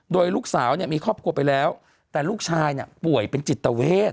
โดยลูกสาวเนี่ยมีครอบครัวไปแล้วแต่ลูกชายป่วยเป็นจิตเวท